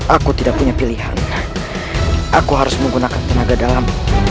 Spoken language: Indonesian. aku tidak punya pilihan aku harus menggunakan tenaga dalam